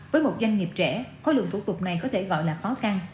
với một doanh nghiệp trẻ khối lượng thủ tục này có thể gọi là khó khăn